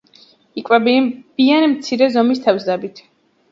იკვებებიან მცირე ზომის თევზებით.